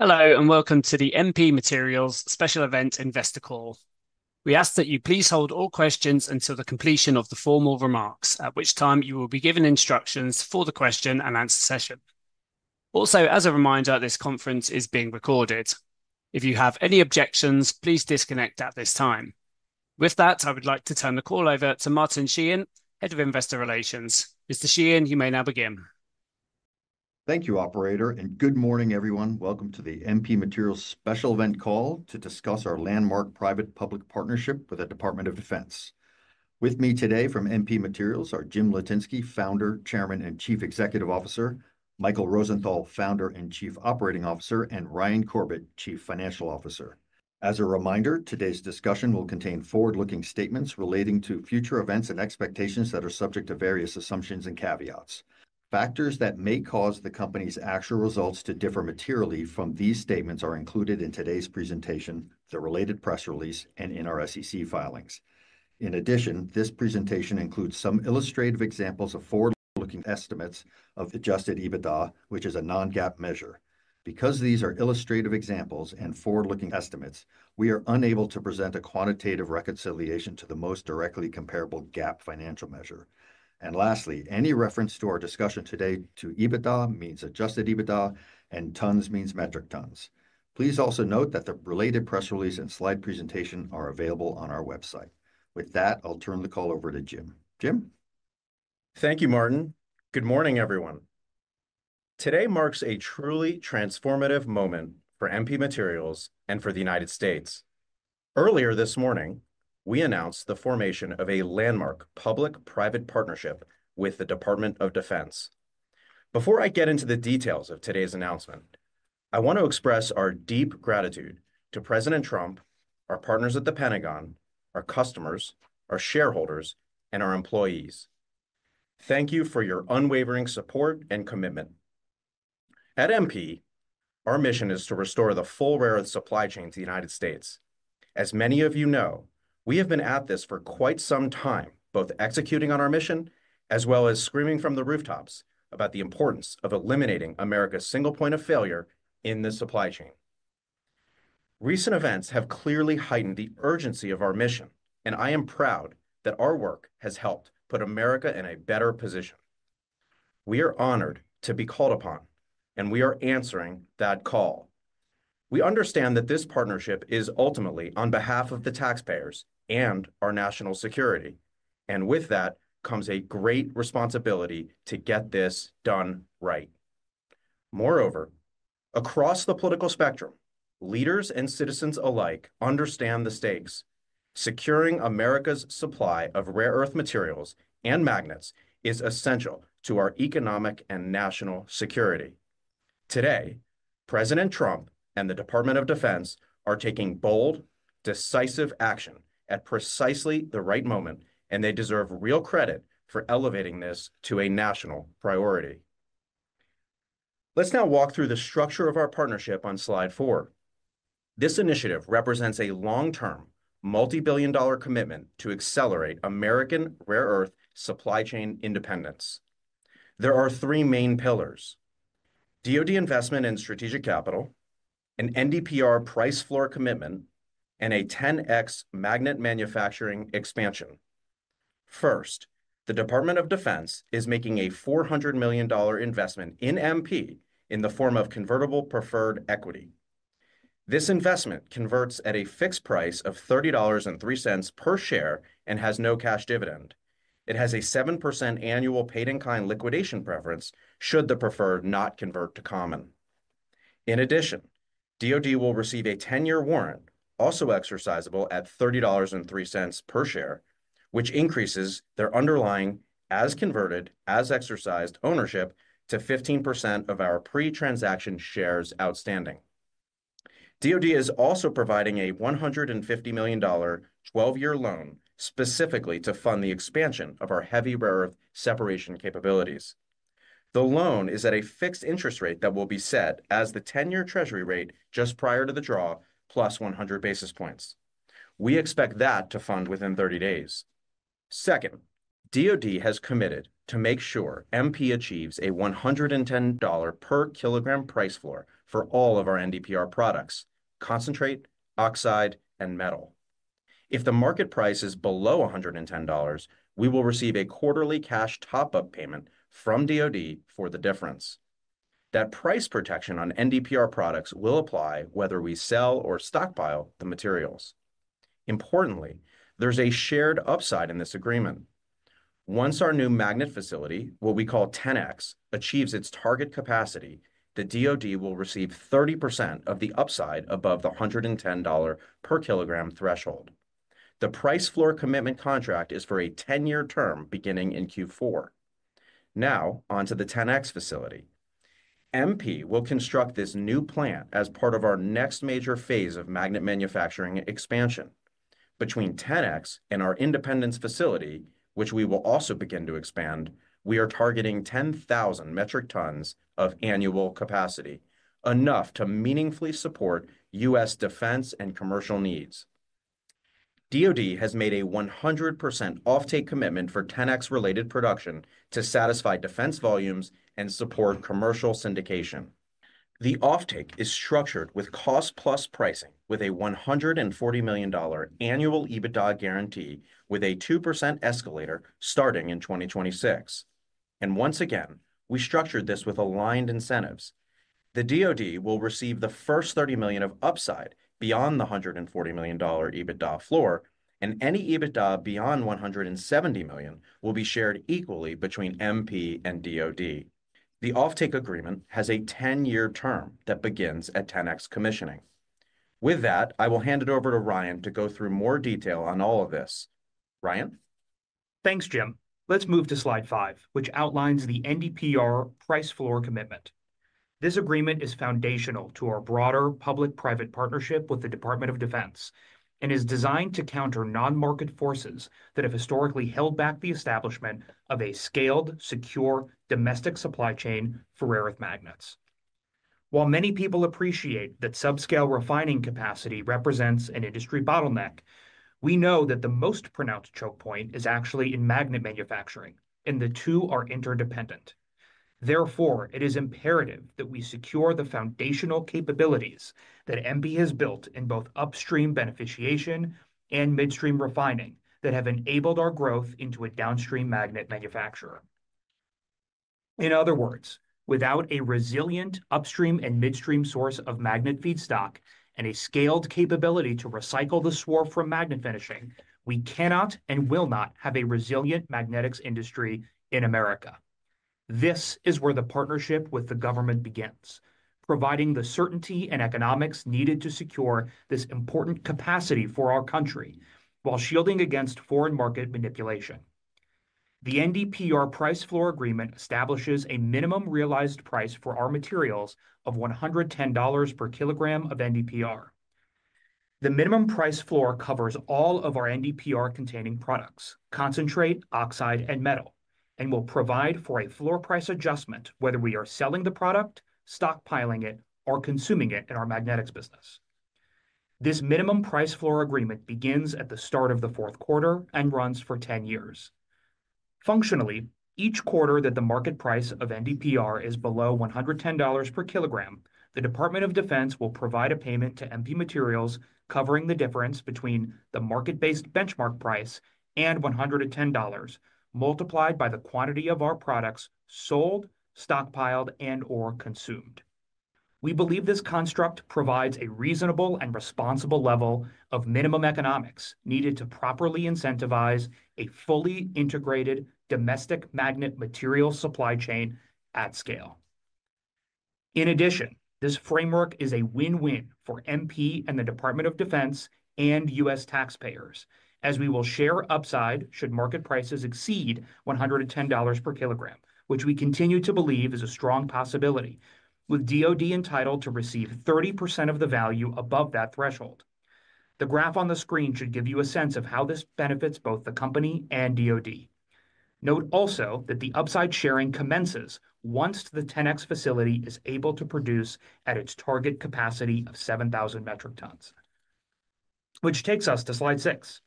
Hello and welcome to the MP Materials special event investor call. We ask that you please hold all questions until the completion of the formal remarks, at which time you will be given instructions for the question and answer session. Also, as a reminder, this conference is being recorded. If you have any objections, please disconnect at this time. With that, I would like to turn the call over to Martin Sheehan, Head of Investor Relations. Mr. Sheehan, you may now begin. Thank you, Operator, and good morning, everyone. Welcome to the MP Materials special event call to discuss our landmark private-public partnership with the Department of Defense. With me today from MP Materials are Jim Litinsky, Founder, Chairman and Chief Executive Officer; Michael Rosenthal, Founder and Chief Operating Officer; and Ryan Corbett, Chief Financial Officer. As a reminder, today's discussion will contain forward-looking statements relating to future events and expectations that are subject to various assumptions and caveats. Factors that may cause the company's actual results to differ materially from these statements are included in today's presentation, the related press release, and in our SEC filings. In addition, this presentation includes some illustrative examples of forward-looking estimates of adjusted EBITDA, which is a non-GAAP measure. Because these are illustrative examples and forward-looking estimates, we are unable to present a quantitative reconciliation to the most directly comparable GAAP financial measure. Lastly, any reference to our discussion today to EBITDA means adjusted EBITDA, and tons means metric tons. Please also note that the related press release and slide presentation are available on our website. With that, I'll turn the call over to Jim. Jim? Thank you, Martin. Good morning, everyone. Today marks a truly transformative moment for MP Materials and for the United States. Earlier this morning, we announced the formation of a landmark public-private partnership with the Department of Defense. Before I get into the details of today's announcement, I want to express our deep gratitude to President Trump, our partners at the Pentagon, our customers, our shareholders, and our employees. Thank you for your unwavering support and commitment. At MP, our mission is to restore the full rare earth supply chain to the United States. As many of you know, we have been at this for quite some time, both executing on our mission as well as screaming from the rooftops about the importance of eliminating America's single point of failure in the supply chain. Recent events have clearly heightened the urgency of our mission, and I am proud that our work has helped put America in a better position. We are honored to be called upon, and we are answering that call. We understand that this partnership is ultimately on behalf of the taxpayers and our national security, and with that comes a great responsibility to get this done right. Moreover, across the political spectrum, leaders and citizens alike understand the stakes. Securing America's supply of rare earth materials and magnets is essential to our economic and national security. Today, President Trump and the Department of Defense are taking bold, decisive action at precisely the right moment, and they deserve real credit for elevating this to a national priority. Let's now walk through the structure of our partnership on slide four. This initiative represents a long-term, multi-billion dollar commitment to accelerate American rare earth supply chain independence. There are three main pillars. DOD investment in strategic capital, an NDPR price floor commitment, and a 10x magnet manufacturing expansion. First, the Department of Defense is making a $400 million investment in MP in the form of convertible preferred equity. This investment converts at a fixed price of $30.03 per share and has no cash dividend. It has a 7% annual paid-in-kind liquidation preference should the preferred not convert to common. In addition, DOD will receive a 10-year warrant, also exercisable at $30.03 per share, which increases their underlying, as converted, as exercised ownership to 15% of our pre-transaction shares outstanding. DOD is also providing a $150 million, 12-year loan specifically to fund the expansion of our heavy rare earth separation capabilities. The loan is at a fixed interest rate that will be set as the 10-year treasury rate just prior to the draw, plus 100 basis points. We expect that to fund within 30 days. Second, DOD has committed to make sure MP achieves a $110 per kilogram price floor for all of our NDPR products, concentrate, oxide, and metal. If the market price is below $110, we will receive a quarterly cash top-up payment from DOD for the difference. That price protection on NDPR products will apply whether we sell or stockpile the materials. Importantly, there's a shared upside in this agreement. Once our new magnet facility, what we call 10x, achieves its target capacity, the DOD will receive 30% of the upside above the $110 per kilogram threshold. The price floor commitment contract is for a 10-year term beginning in Q4. Now, onto the 10x facility. MP will construct this new plant as part of our next major phase of magnet manufacturing expansion. Between 10x and our Independence Facility, which we will also begin to expand, we are targeting 10,000 metric tons of annual capacity, enough to meaningfully support U.S. defense and commercial needs. DOD has made a 100% offtake commitment for 10x related production to satisfy defense volumes and support commercial syndication. The offtake is structured with cost-plus pricing, with a $140 million annual EBITDA guarantee, with a 2% escalator starting in 2026. Once again, we structured this with aligned incentives. The DOD will receive the first $30 million of upside beyond the $140 million EBITDA floor, and any EBITDA beyond $170 million will be shared equally between MP and DOD. The offtake agreement has a 10-year term that begins at 10x commissioning. With that, I will hand it over to Ryan to go through more detail on all of this. Ryan? Thanks, Jim. Let's move to slide five, which outlines the NDPR price floor commitment. This agreement is foundational to our broader public-private partnership with the Department of Defense and is designed to counter non-market forces that have historically held back the establishment of a scaled, secure, domestic supply chain for rare earth magnets. While many people appreciate that subscale refining capacity represents an industry bottleneck, we know that the most pronounced choke point is actually in magnet manufacturing, and the two are interdependent. Therefore, it is imperative that we secure the foundational capabilities that MP has built in both upstream beneficiation and midstream refining that have enabled our growth into a downstream magnet manufacturer. In other words, without a resilient upstream and midstream source of magnet feedstock and a scaled capability to recycle the swarf from magnet finishing, we cannot and will not have a resilient magnetics industry in America. This is where the partnership with the government begins, providing the certainty and economics needed to secure this important capacity for our country while shielding against foreign market manipulation. The NDPR price floor agreement establishes a minimum realized price for our materials of $110 per kilogram of NDPR. The minimum price floor covers all of our NDPR-containing products, concentrate, oxide, and metal, and will provide for a floor price adjustment whether we are selling the product, stockpiling it, or consuming it in our magnetics business. This minimum price floor agreement begins at the start of the fourth quarter and runs for 10 years. Functionally, each quarter that the market price of NDPR is below $110 per kilogram, the Department of Defense will provide a payment to MP Materials covering the difference between the market-based benchmark price and $110 multiplied by the quantity of our products sold, stockpiled, and/or consumed. We believe this construct provides a reasonable and responsible level of minimum economics needed to properly incentivize a fully integrated domestic magnet material supply chain at scale. In addition, this framework is a win-win for MP and the Department of Defense and U.S. taxpayers, as we will share upside should market prices exceed $110 per kilogram, which we continue to believe is a strong possibility, with DOD entitled to receive 30% of the value above that threshold. The graph on the screen should give you a sense of how this benefits both the company and DOD. Note also that the upside sharing commences once the 10x facility is able to produce at its target capacity of 7,000 metric tons. Which takes us to slide six.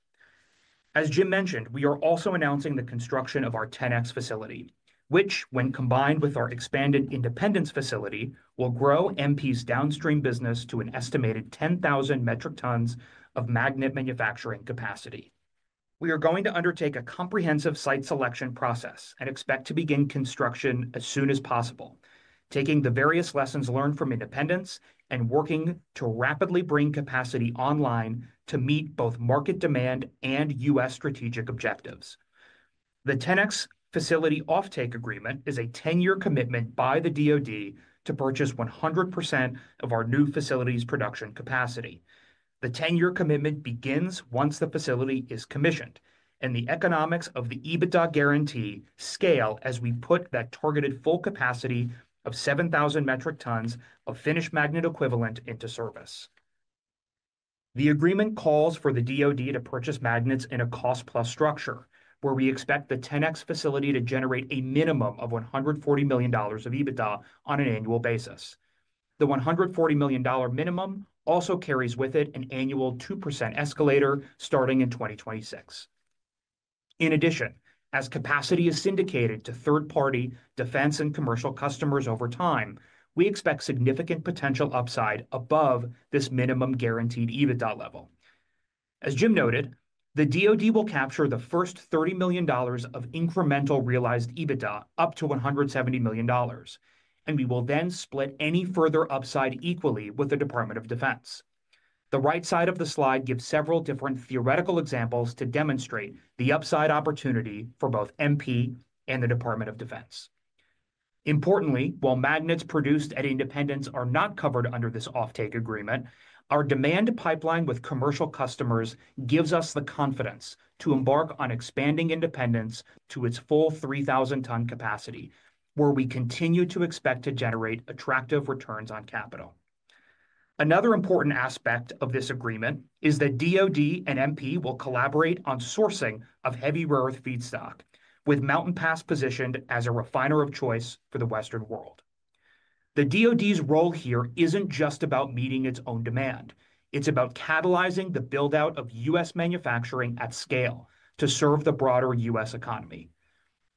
As Jim mentioned, we are also announcing the construction of our 10x facility, which, when combined with our expanded Independence Facility, will grow MP's downstream business to an estimated 10,000 metric tons of magnet manufacturing capacity. We are going to undertake a comprehensive site selection process and expect to begin construction as soon as possible, taking the various lessons learned from Independence and working to rapidly bring capacity online to meet both market demand and U.S. strategic objectives. The 10x facility offtake agreement is a 10-year commitment by the DOD to purchase 100% of our new facility's production capacity. The 10-year commitment begins once the facility is commissioned, and the economics of the EBITDA guarantee scale as we put that targeted full capacity of 7,000 metric tons of finished magnet equivalent into service. The agreement calls for the DOD to purchase magnets in a cost-plus structure, where we expect the 10x facility to generate a minimum of $140 million of EBITDA on an annual basis. The $140 million minimum also carries with it an annual 2% escalator starting in 2026. In addition, as capacity is syndicated to third-party defense and commercial customers over time, we expect significant potential upside above this minimum guaranteed EBITDA level. As Jim noted, the DOD will capture the first $30 million of incremental realized EBITDA up to $170 million, and we will then split any further upside equally with the Department of Defense. The right side of the slide gives several different theoretical examples to demonstrate the upside opportunity for both MP and the Department of Defense. Importantly, while magnets produced at Independence are not covered under this offtake agreement, our demand pipeline with commercial customers gives us the confidence to embark on expanding Independence to its full 3,000-ton capacity, where we continue to expect to generate attractive returns on capital. Another important aspect of this agreement is that DOD and MP will collaborate on sourcing of heavy rare earth feedstock, with Mountain Pass positioned as a refiner of choice for the Western world. The DOD's role here isn't just about meeting its own demand. It's about catalyzing the build-out of U.S. manufacturing at scale to serve the broader U.S. economy.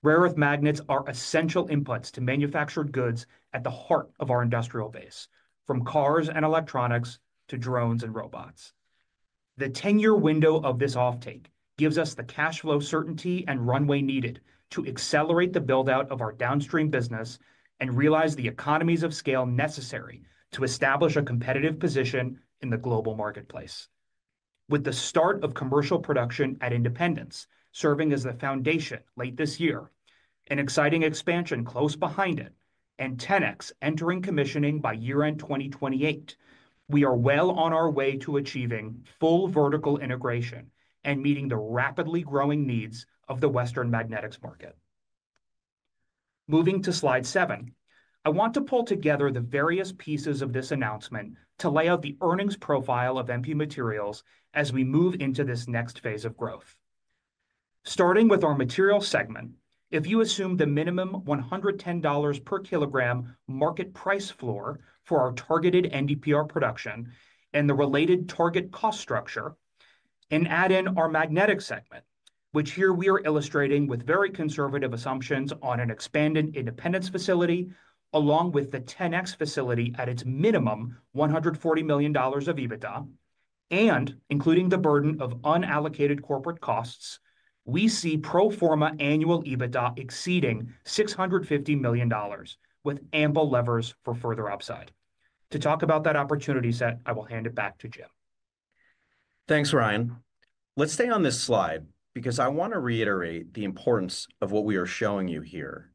Rare earth magnets are essential inputs to manufactured goods at the heart of our industrial base, from cars and electronics to drones and robots. The 10-year window of this offtake gives us the cash flow certainty and runway needed to accelerate the build-out of our downstream business and realize the economies of scale necessary to establish a competitive position in the global marketplace. With the start of commercial production at Independence serving as the foundation late this year, an exciting expansion close behind it, and 10x entering commissioning by year-end 2028, we are well on our way to achieving full vertical integration and meeting the rapidly growing needs of the Western magnetics market. Moving to slide seven, I want to pull together the various pieces of this announcement to lay out the earnings profile of MP Materials as we move into this next phase of growth. Starting with our materials segment, if you assume the minimum $110 per kilogram market price floor for our targeted NDPR production and the related target cost structure, and add in our magnetic segment, which here we are illustrating with very conservative assumptions on an expanded Independence Facility, along with the 10x facility at its minimum $140 million of EBITDA, and including the burden of unallocated corporate costs, we see pro forma annual EBITDA exceeding $650 million, with ample levers for further upside. To talk about that opportunity set, I will hand it back to Jim. Thanks, Ryan. Let's stay on this slide because I want to reiterate the importance of what we are showing you here.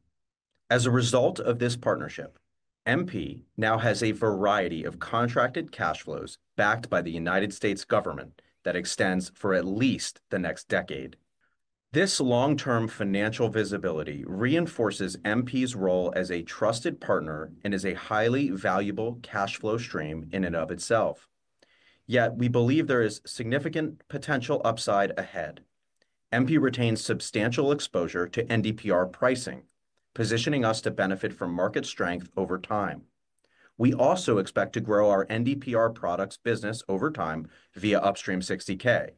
As a result of this partnership, MP now has a variety of contracted cash flows backed by the United States government that extends for at least the next decade. This long-term financial visibility reinforces MP's role as a trusted partner and is a highly valuable cash flow stream in and of itself. Yet, we believe there is significant potential upside ahead. MP retains substantial exposure to NDPR pricing, positioning us to benefit from market strength over time. We also expect to grow our NDPR products business over time via Upstream 60K,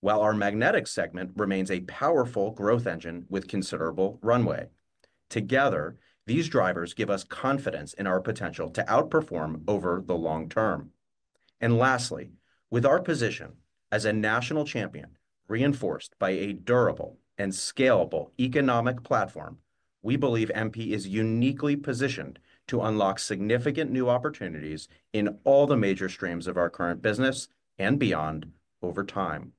while our magnetic segment remains a powerful growth engine with considerable runway. Together, these drivers give us confidence in our potential to outperform over the long term. Lastly, with our position as a national champion reinforced by a durable and scalable economic platform, we believe MP is uniquely positioned to unlock significant new opportunities in all the major streams of our current business and beyond over time.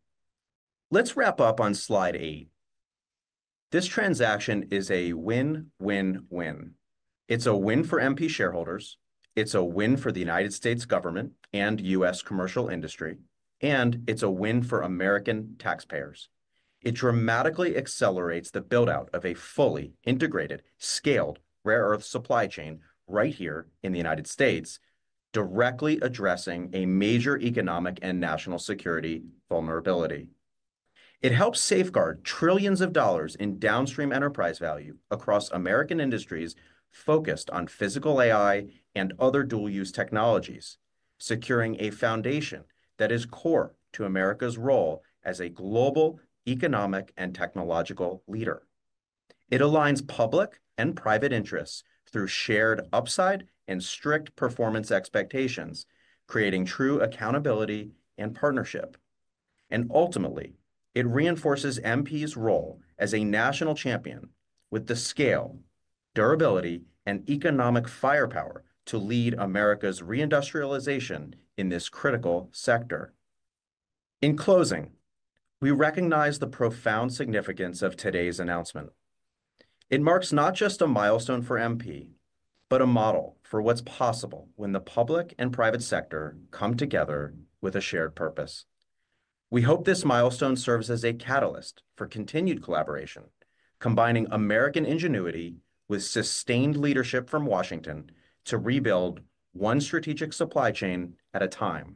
Let's wrap up on slide eight. This transaction is a win-win-win. It's a win for MP shareholders. It's a win for the United States government and U.S. commercial industry, and it's a win for American taxpayers. It dramatically accelerates the build-out of a fully integrated, scaled rare earth supply chain right here in the United States, directly addressing a major economic and national security vulnerability. It helps safeguard trillions of dollars in downstream enterprise value across American industries focused on physical AI and other dual-use technologies, securing a foundation that is core to America's role as a global economic and technological leader. It aligns public and private interests through shared upside and strict performance expectations, creating true accountability and partnership. Ultimately, it reinforces MP's role as a national champion with the scale, durability, and economic firepower to lead America's reindustrialization in this critical sector. In closing, we recognize the profound significance of today's announcement. It marks not just a milestone for MP, but a model for what is possible when the public and private sector come together with a shared purpose. We hope this milestone serves as a catalyst for continued collaboration, combining American ingenuity with sustained leadership from Washington to rebuild one strategic supply chain at a time.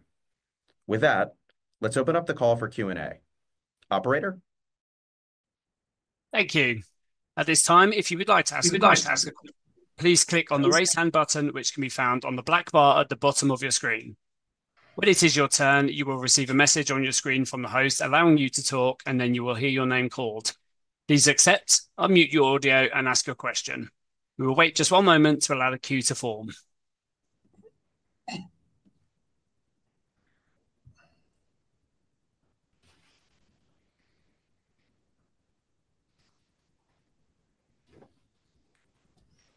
With that, let's open up the call for Q&A. Operator? Thank you. At this time, if you would like to ask a question, please click on the raise hand button, which can be found on the black bar at the bottom of your screen. When it is your turn, you will receive a message on your screen from the host allowing you to talk, and then you will hear your name called. Please accept, unmute your audio, and ask your question. We will wait just one moment to allow the queue to form.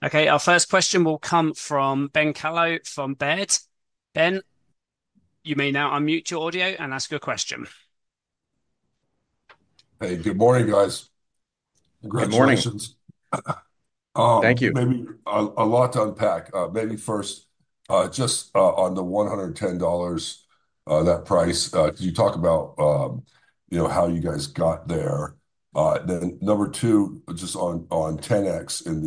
Okay, our first question will come from Ben Kallo from Baird. Ben, you may now unmute your audio and ask your question. Hey, good morning, guys. Good morning. Thank you. Maybe a lot to unpack. Maybe first, just on the $110. That price, could you talk about how you guys got there? Then number two, just on 10x and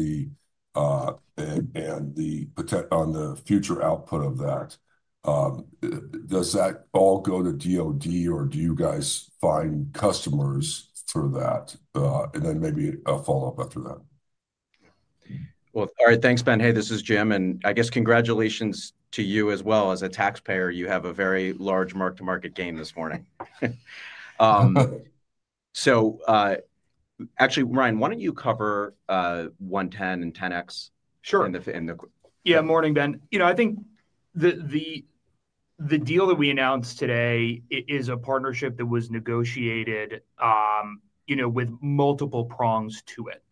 the future output of that. Does that all go to DOD, or do you guys find customers through that? And then maybe a follow-up after that. All right, thanks, Ben. Hey, this is Jim. I guess congratulations to you as well. As a taxpayer, you have a very large mark-to-market gain this morning. Actually, Ryan, why do not you cover $110 and 10x? Sure. In the. Yeah, morning, Ben. You know, I think the deal that we announced today is a partnership that was negotiated with multiple prongs to it.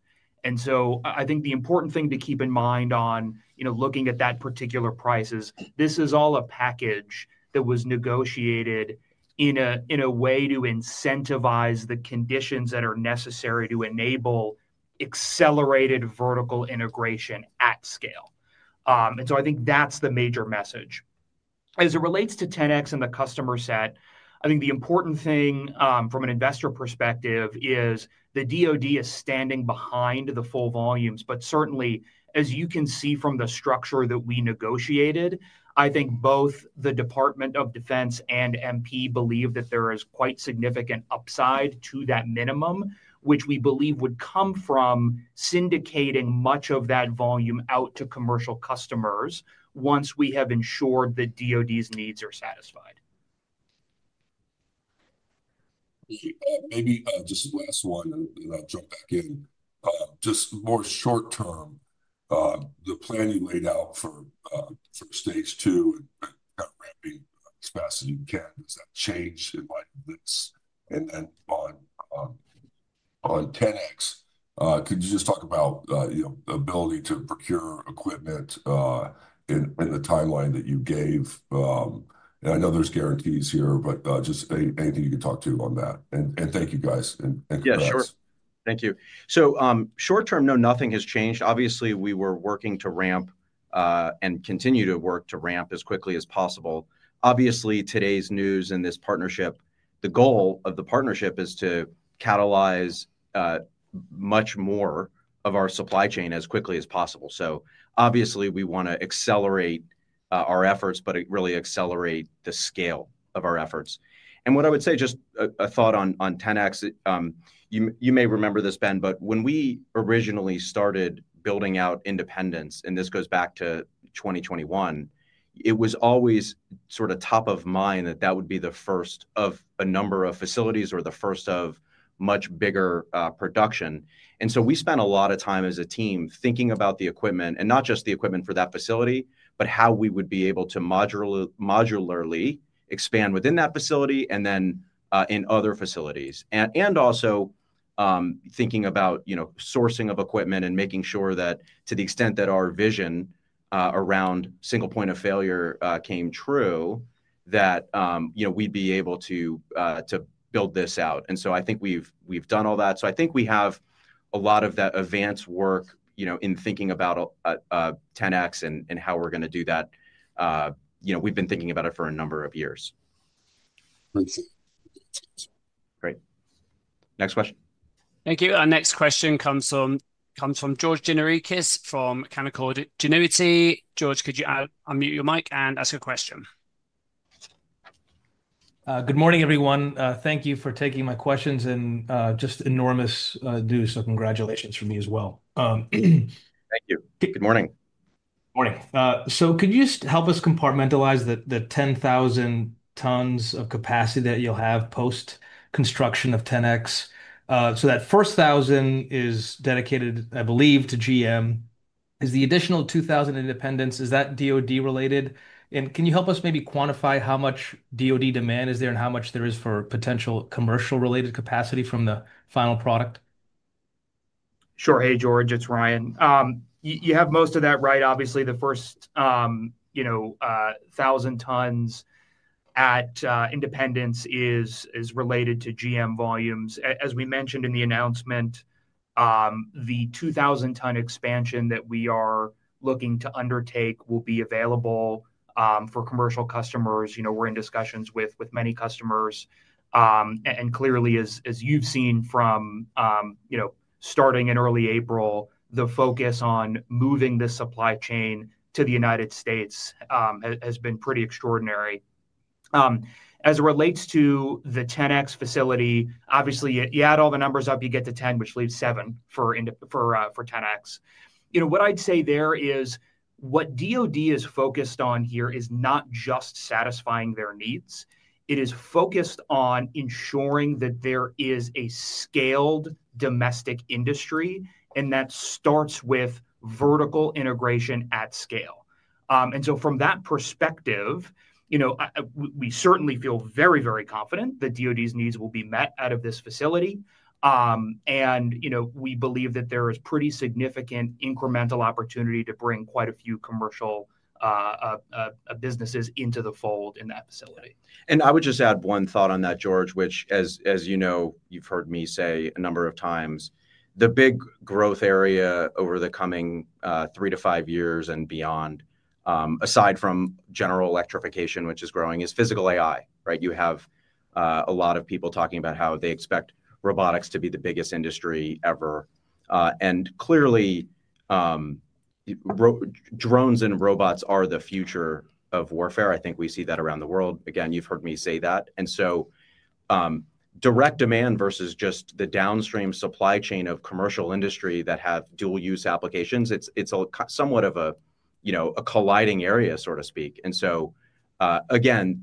I think the important thing to keep in mind on looking at that particular price is this is all a package that was negotiated in a way to incentivize the conditions that are necessary to enable accelerated vertical integration at scale. I think that's the major message. As it relates to 10x and the customer set, I think the important thing from an investor perspective is the DOD is standing behind the full volumes. Certainly, as you can see from the structure that we negotiated, I think both the Department of Defense and MP believe that there is quite significant upside to that minimum, which we believe would come from. Syndicating much of that volume out to commercial customers once we have ensured that DOD's needs are satisfied. Maybe just last one, and then I'll jump back in. Just more short-term, the plan you laid out for stage two and kind of ramping as fast as you can, does that change in light of this? On 10x, could you just talk about the ability to procure equipment in the timeline that you gave? I know there's guarantees here, but just anything you can talk to on that. Thank you, guys. Yeah, sure. Thank you. Short-term, no, nothing has changed. Obviously, we were working to ramp and continue to work to ramp as quickly as possible. Obviously, today's news and this partnership, the goal of the partnership is to catalyze much more of our supply chain as quickly as possible. Obviously, we want to accelerate our efforts, but really accelerate the scale of our efforts. What I would say, just a thought on 10x, you may remember this, Ben, but when we originally started building out Independence, and this goes back to 2021, it was always sort of top of mind that that would be the first of a number of facilities or the first of much bigger production. We spent a lot of time as a team thinking about the equipment, and not just the equipment for that facility, but how we would be able to modularly expand within that facility and then in other facilities. Also, thinking about sourcing of equipment and making sure that to the extent that our vision around single point of failure came true, that we would be able to build this out. I think we have done all that. I think we have a lot of that advanced work in thinking about 10x and how we are going to do that. We have been thinking about it for a number of years. Thanks. Great. Next question. Thank you. Our next question comes from George Gianarikas from Canaccord Genuity. George, could you unmute your mic and ask a question? Good morning, everyone. Thank you for taking my questions and just enormous news. So congratulations from me as well. Thank you. Good morning. Good morning. Could you just help us compartmentalize the 10,000 tons of capacity that you'll have post-construction of 10x? That first 1,000 is dedicated, I believe, to GM. Is the additional 2,000 Independence, is that DOD-related? Can you help us maybe quantify how much DOD demand is there and how much there is for potential commercial-related capacity from the final product? Sure. Hey, George, it's Ryan. You have most of that right. Obviously, the first 1,000 tons at Independence is related to GM volumes. As we mentioned in the announcement, the 2,000-ton expansion that we are looking to undertake will be available for commercial customers. We're in discussions with many customers, and clearly, as you've seen from starting in early April, the focus on moving this supply chain to the United States has been pretty extraordinary. As it relates to the 10x facility, obviously, you add all the numbers up, you get to 10, which leaves 7 for 10x. What I'd say there is what DOD is focused on here is not just satisfying their needs. It is focused on ensuring that there is a scaled domestic industry, and that starts with vertical integration at scale. And so from that perspective. We certainly feel very, very confident that DOD's needs will be met out of this facility. We believe that there is pretty significant incremental opportunity to bring quite a few commercial businesses into the fold in that facility. I would just add one thought on that, George, which, as you know, you've heard me say a number of times, the big growth area over the coming three to five years and beyond. Aside from general electrification, which is growing, is physical AI, right? You have a lot of people talking about how they expect robotics to be the biggest industry ever. Clearly, drones and robots are the future of warfare. I think we see that around the world. Again, you've heard me say that. Direct demand versus just the downstream supply chain of commercial industry that have dual-use applications, it's somewhat of a colliding area, so to speak. Again,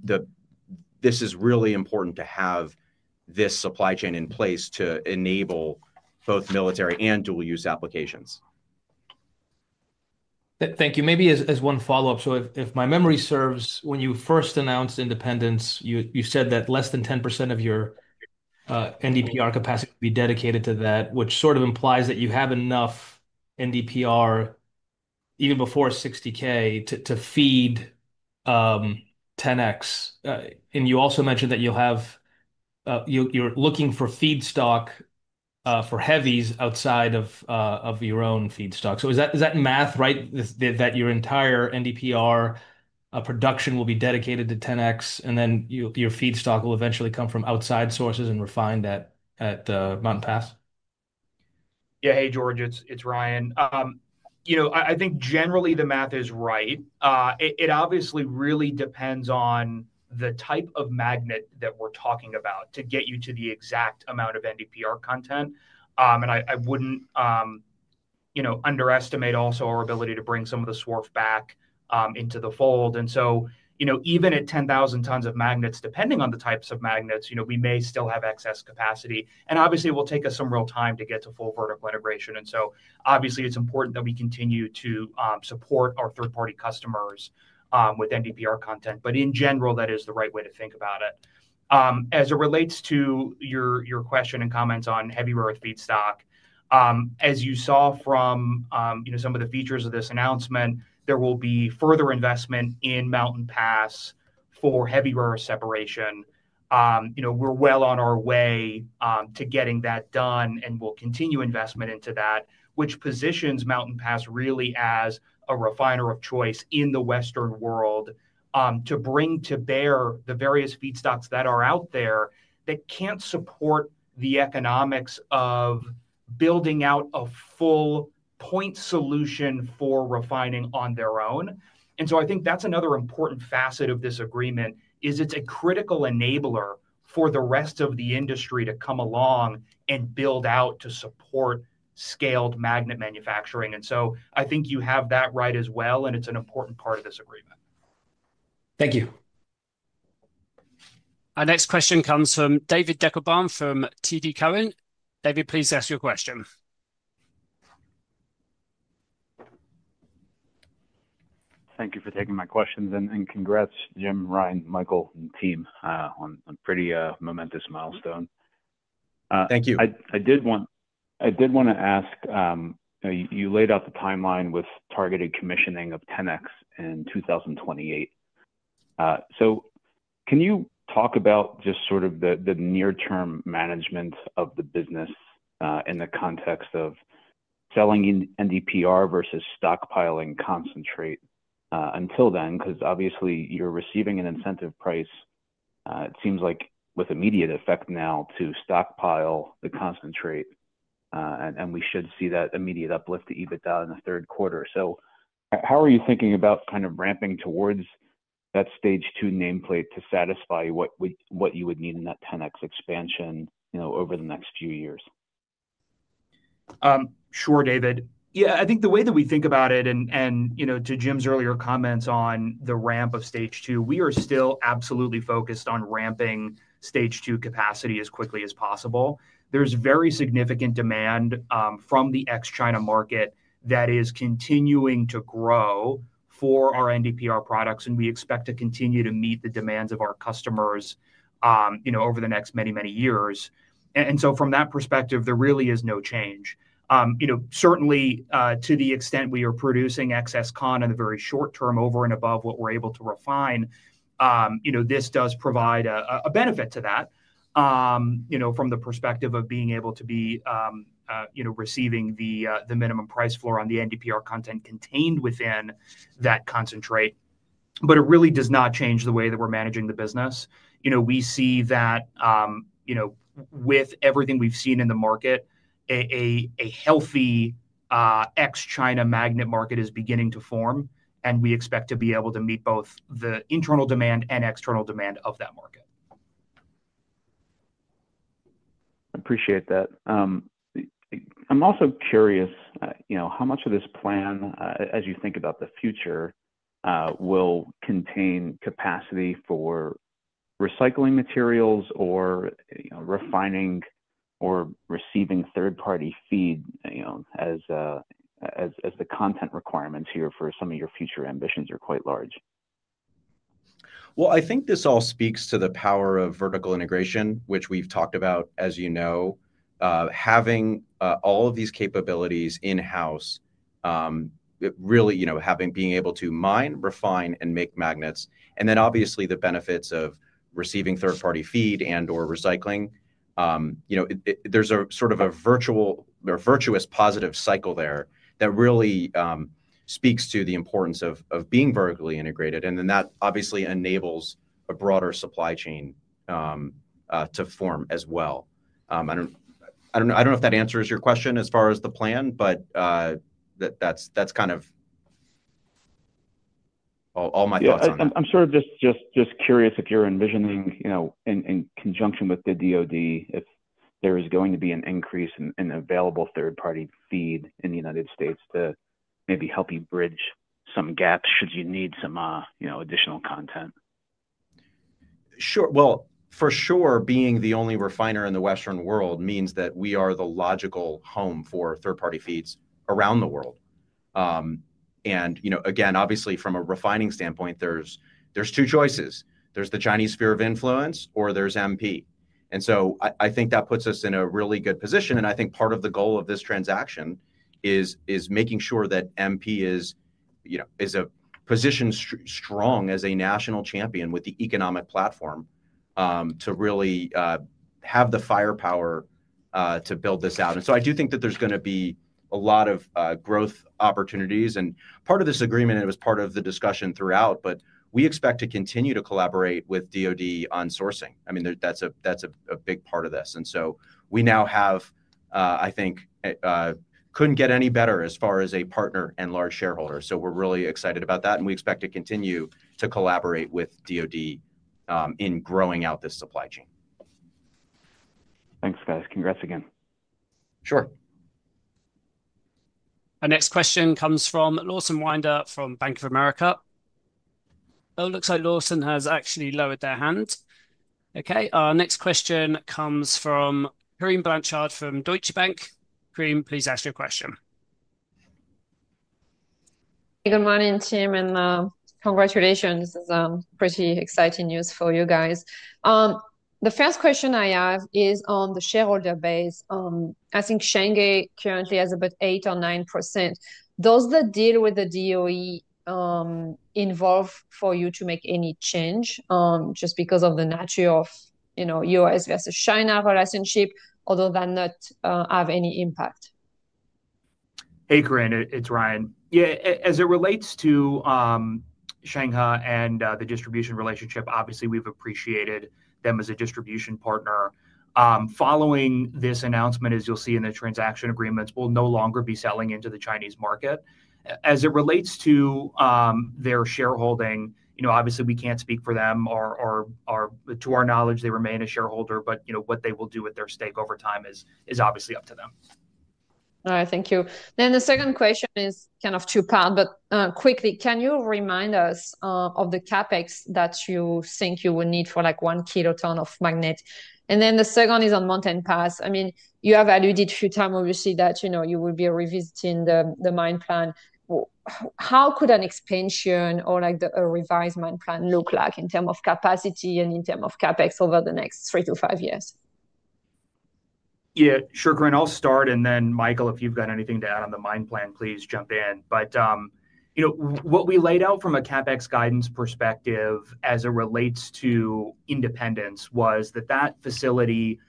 this is really important to have this supply chain in place to enable both military and dual-use applications. Thank you. Maybe as one follow-up, so if my memory serves, when you first announced Independence, you said that less than 10% of your NDPR capacity would be dedicated to that, which sort of implies that you have enough NDPR even before 60K to feed 10x. You also mentioned that you're looking for feed stock for heavies outside of your own feed stock. Is that math right, that your entire NDPR production will be dedicated to 10x and then your feed stock will eventually come from outside sources and refine that at Mountain Pass? Yeah. Hey, George, it's Ryan. I think generally the math is right. It obviously really depends on the type of magnet that we're talking about to get you to the exact amount of NDPR content. I wouldn't underestimate also our ability to bring some of the swarf back into the fold. Even at 10,000 tons of magnets, depending on the types of magnets, we may still have excess capacity. It will take us some real time to get to full vertical integration. Obviously, it's important that we continue to support our third-party customers with NDPR content. In general, that is the right way to think about it. As it relates to your question and comments on heavy rare earth feed stock, as you saw from. Some of the features of this announcement, there will be further investment in Mountain Pass for heavy rare earth separation. We're well on our way to getting that done, and we'll continue investment into that, which positions Mountain Pass really as a refiner of choice in the Western world. To bring to bear the various feed stocks that are out there that can't support the economics of building out a full point solution for refining on their own. I think that's another important facet of this agreement, it is a critical enabler for the rest of the industry to come along and build out to support scaled magnet manufacturing. I think you have that right as well, and it's an important part of this agreement. Thank you. Our next question comes from David Deckelbaum from TD Cowen. David, please ask your question. Thank you for taking my questions. Congrats, Jim, Ryan, Michael, and team on a pretty momentous milestone. Thank you. I did want to ask. You laid out the timeline with targeted commissioning of 10x in 2028. Can you talk about just sort of the near-term management of the business in the context of selling NDPR versus stockpiling concentrate until then? Because obviously, you're receiving an incentive price, it seems like with immediate effect now to stockpile the concentrate. We should see that immediate uplift to EBITDA in the third quarter. How are you thinking about kind of ramping towards that stage two nameplate to satisfy what you would need in that 10x expansion over the next few years? Sure, David. Yeah, I think the way that we think about it and to Jim's earlier comments on the ramp of stage two, we are still absolutely focused on ramping stage two capacity as quickly as possible. There's very significant demand from the ex-China market that is continuing to grow for our NDPR products, and we expect to continue to meet the demands of our customers over the next many, many years. From that perspective, there really is no change. Certainly, to the extent we are producing excess con in the very short term over and above what we're able to refine, this does provide a benefit to that from the perspective of being able to be receiving the minimum price floor on the NDPR content contained within that concentrate. It really does not change the way that we're managing the business. We see that. With everything we've seen in the market, a healthy ex-China magnet market is beginning to form, and we expect to be able to meet both the internal demand and external demand of that market. I appreciate that. I'm also curious how much of this plan, as you think about the future, will contain capacity for recycling materials or refining or receiving third-party feed, as the content requirements here for some of your future ambitions are quite large. I think this all speaks to the power of vertical integration, which we've talked about, as you know. Having all of these capabilities in-house. Really being able to mine, refine, and make magnets. Obviously the benefits of receiving third-party feed and/or recycling. There's a sort of a virtuous positive cycle there that really speaks to the importance of being vertically integrated. That obviously enables a broader supply chain to form as well. I don't know if that answers your question as far as the plan, but that's kind of all my thoughts on that. I'm sort of just curious if you're envisioning, in conjunction with the DOD, if there is going to be an increase in available third-party feed in the United States to maybe help you bridge some gaps should you need some additional content. Sure. For sure, being the only refiner in the Western world means that we are the logical home for third-party feeds around the world. Again, obviously, from a refining standpoint, there are two choices. There is the Chinese sphere of influence or there is MP. I think that puts us in a really good position. I think part of the goal of this transaction is making sure that MP is positioned strong as a national champion with the economic platform to really have the firepower to build this out. I do think that there are going to be a lot of growth opportunities. Part of this agreement, it was part of the discussion throughout, but we expect to continue to collaborate with DOD on sourcing. I mean, that is a big part of this. We now have, I think. Couldn't get any better as far as a partner and large shareholder. We're really excited about that. We expect to continue to collaborate with DOD in growing out this supply chain. Thanks, guys. Congrats again. Sure. Our next question comes from Lawson Winder from Bank of America. Oh, it looks like Lawson has actually lowered their hand. Okay. Our next question comes from Corinne Blanchard from Deutsche Bank. Corinne, please ask your question. Good morning, team. Congratulations. This is pretty exciting news for you guys. The first question I have is on the shareholder base. I think Shenghe currently has about 8% or 9%. Does the deal with the DOD involve for you to make any change just because of the nature of U.S. versus China relationship, or does that not have any impact? Hey, Corinne, it's Ryan. Yeah. As it relates to Shenghe and the distribution relationship, obviously, we've appreciated them as a distribution partner. Following this announcement, as you'll see in the transaction agreements, we'll no longer be selling into the Chinese market. As it relates to their shareholding, obviously, we can't speak for them. To our knowledge, they remain a shareholder, but what they will do with their stake over time is obviously up to them. All right. Thank you. The second question is kind of two-part, but quickly, can you remind us of the CapEx that you think you will need for one kiloton of magnet? The second is on Mountain Pass. I mean, you have alluded a few times, obviously, that you will be revisiting the mine plan. How could an expansion or a revised mine plan look like in terms of capacity and in terms of CapEx over the next three to five years? Yeah. Sure, Corinne. I'll start. Then, Michael, if you've got anything to add on the mine plan, please jump in. What we laid out from a CapEx guidance perspective as it relates to Independence was that that facility was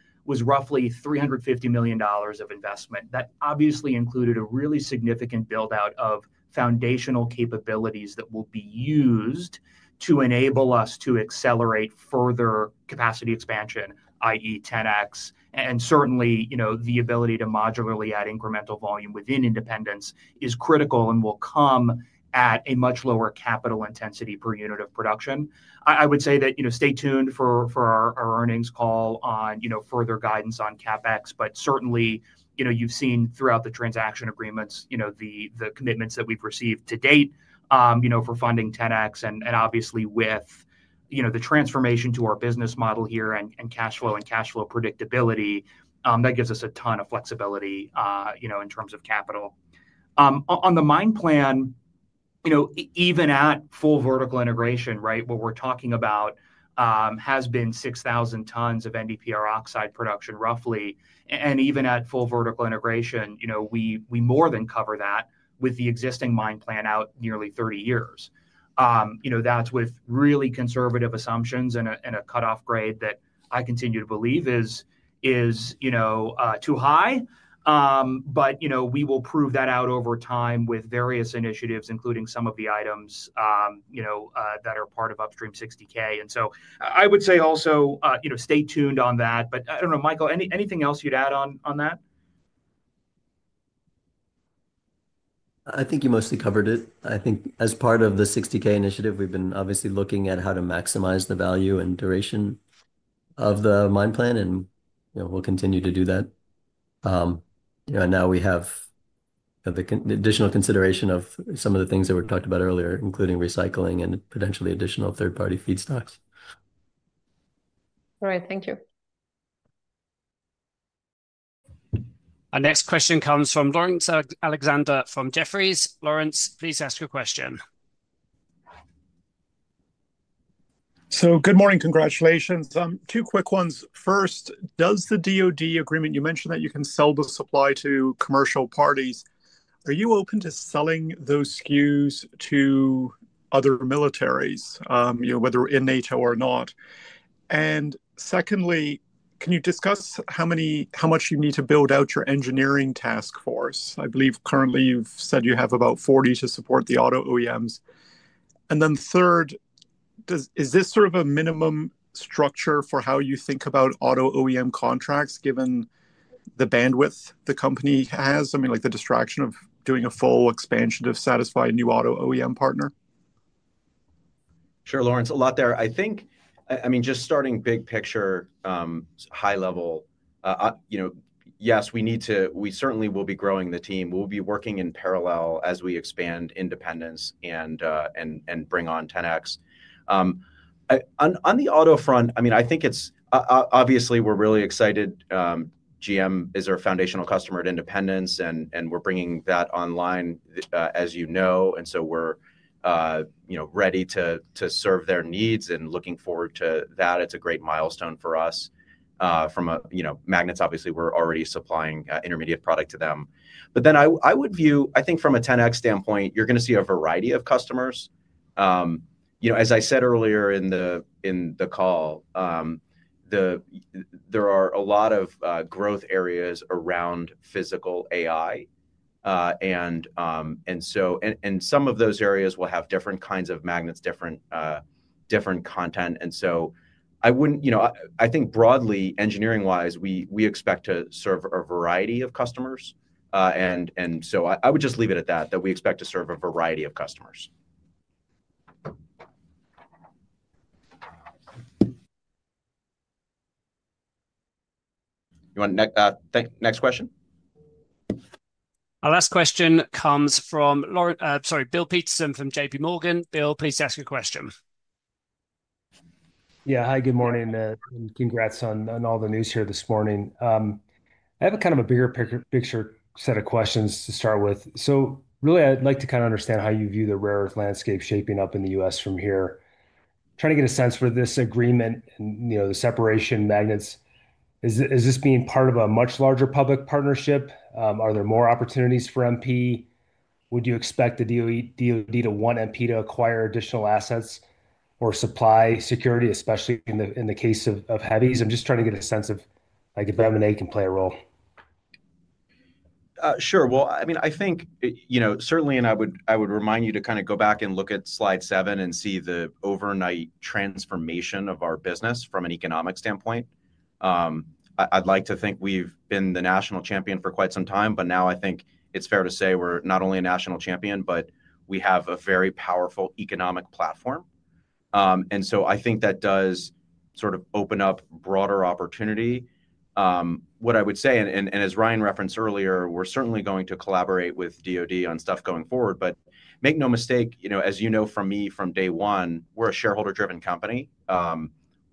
roughly $350 million of investment. That obviously included a really significant buildout of foundational capabilities that will be used to enable us to accelerate further capacity expansion, i.e., 10x. Certainly, the ability to modularly add incremental volume within Independence is critical and will come at a much lower capital intensity per unit of production. I would say that stay tuned for our earnings call on further guidance on CapEx, but certainly, you've seen throughout the transaction agreements the commitments that we've received to date for funding 10x. Obviously, with. The transformation to our business model here and cash flow and cash flow predictability, that gives us a ton of flexibility in terms of capital. On the mine plan. Even at full vertical integration, right, what we're talking about. Has been 6,000 tons of NDPR oxide production roughly. And even at full vertical integration, we more than cover that with the existing mine plan out nearly 30 years. That's with really conservative assumptions and a cutoff grade that I continue to believe is too high. But we will prove that out over time with various initiatives, including some of the items that are part of Upstream 60K. I would say also stay tuned on that. I don't know, Michael, anything else you'd add on that? I think you mostly covered it. I think as part of the 60K initiative, we've been obviously looking at how to maximize the value and duration of the mine plan, and we'll continue to do that. Now we have the additional consideration of some of the things that we've talked about earlier, including recycling and potentially additional third-party feed stocks. All right. Thank you. Our next question comes from Laurence Alexander from Jefferies. Laurence, please ask your question. Good morning. Congratulations. Two quick ones. First, does the DOD agreement, you mentioned that you can sell the supply to commercial parties, are you open to selling those SKUs to other militaries, whether in NATO or not? Secondly, can you discuss how much you need to build out your engineering task force? I believe currently you've said you have about 40 to support the auto OEMs. Third, is this sort of a minimum structure for how you think about auto OEM contracts given the bandwidth the company has? I mean, like the distraction of doing a full expansion to satisfy a new auto OEM partner? Sure, Laurence. A lot there. I think, I mean, just starting big picture. High level. Yes, we certainly will be growing the team. We'll be working in parallel as we expand Independence and bring on 10x. On the auto front, I mean, I think it's obviously we're really excited. GM is our foundational customer at Independence, and we're bringing that online, as you know. And so we're ready to serve their needs and looking forward to that. It's a great milestone for us. From magnets, obviously, we're already supplying intermediate product to them. But then I would view, I think from a 10x standpoint, you're going to see a variety of customers. As I said earlier in the call. There are a lot of growth areas around physical AI. And some of those areas will have different kinds of magnets, different content. I think broadly, engineering-wise, we expect to serve a variety of customers. I would just leave it at that, that we expect to serve a variety of customers. You want to next question? Our last question comes from, sorry, Bill Peterson from JPMorgan. Bill, please ask your question. Yeah. Hi, good morning. Congrats on all the news here this morning. I have a kind of a bigger picture set of questions to start with. I’d like to kind of understand how you view the rare earth landscape shaping up in the US from here. Trying to get a sense for this agreement and the separation magnets. Is this being part of a much larger public partnership? Are there more opportunities for MP? Would you expect the DOD to want MP to acquire additional assets or supply security, especially in the case of heavies? I’m just trying to get a sense of dominate and can play a role. Sure. I mean, I think. Certainly, I would remind you to kind of go back and look at slide seven and see the overnight transformation of our business from an economic standpoint. I'd like to think we've been the national champion for quite some time, but now I think it's fair to say we're not only a national champion, but we have a very powerful economic platform. I think that does sort of open up broader opportunity. What I would say, and as Ryan referenced earlier, we're certainly going to collaborate with DOD on stuff going forward, but make no mistake, as you know from me from day one, we're a shareholder-driven company.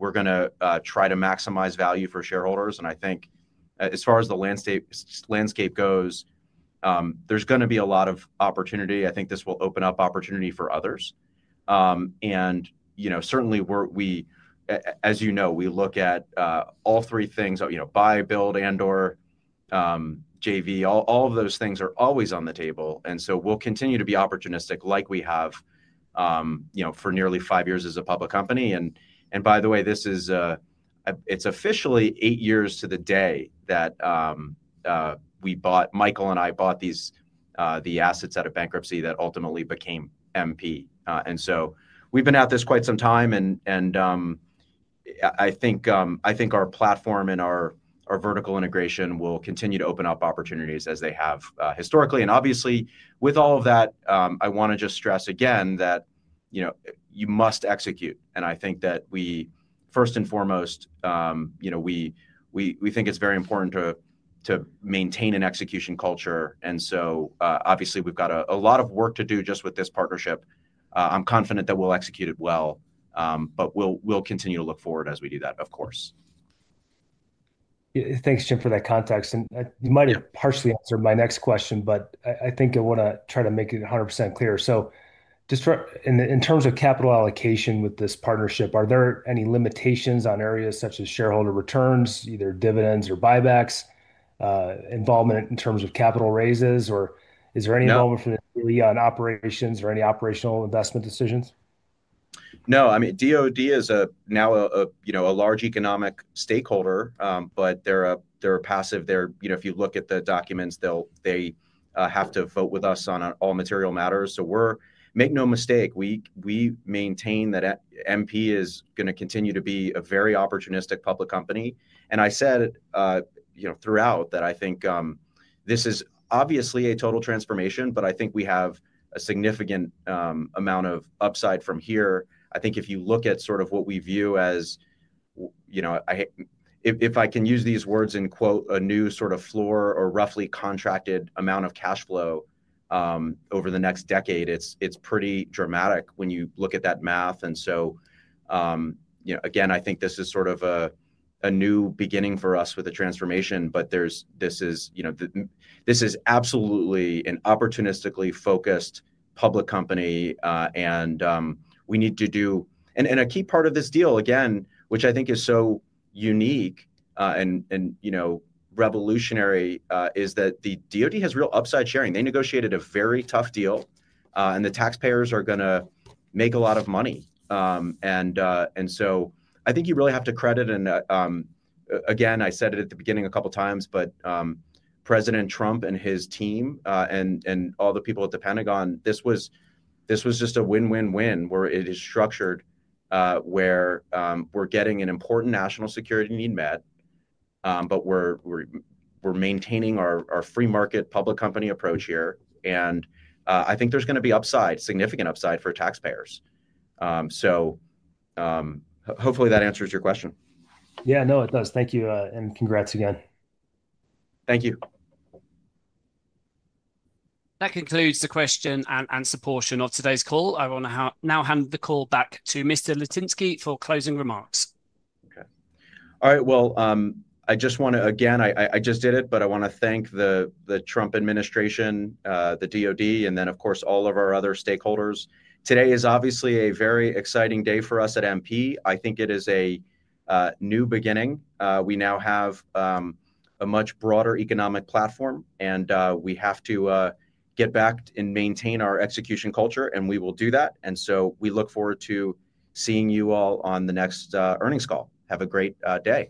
We're going to try to maximize value for shareholders. I think as far as the landscape goes, there's going to be a lot of opportunity. I think this will open up opportunity for others. Certainly, as you know, we look at all three things, buy, build, and/or JV. All of those things are always on the table. We'll continue to be opportunistic like we have for nearly five years as a public company. By the way, it's officially eight years to the day that Michael and I bought the assets out of bankruptcy that ultimately became MP. We've been at this quite some time. I think our platform and our vertical integration will continue to open up opportunities as they have historically. Obviously, with all of that, I want to just stress again that you must execute. I think that, first and foremost, we think it's very important to maintain an execution culture. Obviously, we've got a lot of work to do just with this partnership. I'm confident that we'll execute it well, but we'll continue to look forward as we do that, of course. Thanks, Tim, for that context. You might have partially answered my next question, but I think I want to try to make it 100% clear. In terms of capital allocation with this partnership, are there any limitations on areas such as shareholder returns, either dividends or buybacks, involvement in terms of capital raises, or is there any involvement from the on operations or any operational investment decisions? No. I mean, DOD is now a large economic stakeholder, but they're passive. If you look at the documents, they have to vote with us on all material matters. Make no mistake, we maintain that MP is going to continue to be a very opportunistic public company. I said throughout that I think this is obviously a total transformation, but I think we have a significant amount of upside from here. I think if you look at sort of what we view as, if I can use these words in quote, a new sort of floor or roughly contracted amount of cash flow over the next decade, it's pretty dramatic when you look at that math. Again, I think this is sort of a new beginning for us with the transformation, but this is absolutely an opportunistically focused public company. We need to do. A key part of this deal, again, which I think is so unique and revolutionary, is that the DOD has real upside sharing. They negotiated a very tough deal, and the taxpayers are going to make a lot of money. I think you really have to credit, again, I said it at the beginning a couple of times, but President Trump and his team and all the people at the Pentagon. This was just a win-win-win where it is structured, where we're getting an important national security need met, but we're maintaining our free market public company approach here. I think there's going to be upside, significant upside for taxpayers. Hopefully that answers your question. Yeah. No, it does. Thank you. And congrats again. Thank you. That concludes the question and support of today's call. I will now hand the call back to Mr. Litinsky for closing remarks. Okay. All right. I just want to, again, I just did it, but I want to thank the Trump administration, the DOD, and then, of course, all of our other stakeholders. Today is obviously a very exciting day for us at MP. I think it is a new beginning. We now have a much broader economic platform, and we have to get back and maintain our execution culture, and we will do that. We look forward to seeing you all on the next earnings call. Have a great day.